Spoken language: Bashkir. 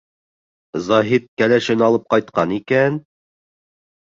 — Заһит кәләшен алып ҡайтҡан икән.